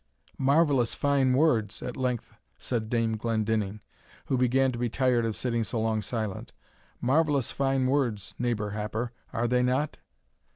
"Marvellous fine words," at length said Dame Glendinning, who began to be tired of sitting so long silent, "marvellous fine words, neighbour Happer, are they not?"